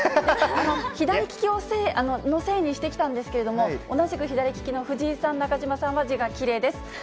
左利きのせいにしてきたんですけれども、同じく左利きの藤井さん、中島さんは字がきれいです。